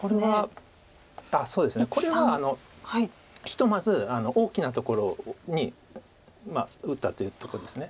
ひとまず大きなところに打ったというとこです。